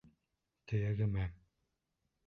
Төйәгемә.